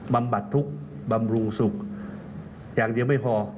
บำบัดทุกข์บำรุงสุขอย่างเดียวไม่พอ